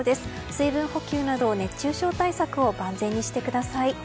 水分補給など熱中症対策を万全にしてください。